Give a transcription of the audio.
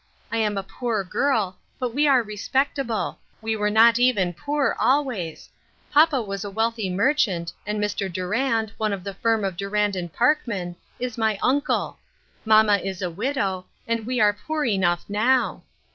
I am a poor girl, but we are respectable ; we were not even poor always ; papa was a wealthy merchant, and Mr. Durand, of the firm of Durand & Parkman, is my uncle ; mamma is a widow, and we are poor enough now.